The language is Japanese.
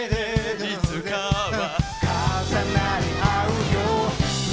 「いつかは」